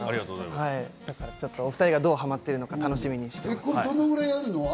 だからちょっとお２人がどうハマってるのか楽しみにしています。